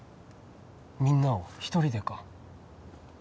みんなを一人でか？